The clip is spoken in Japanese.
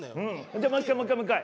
じゃあもう一回もう一回もう一回。